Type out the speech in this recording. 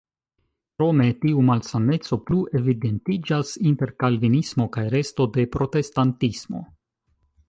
Krome tiu malsameco plu evidentiĝas inter kalvinismo kaj resto de protestantismo.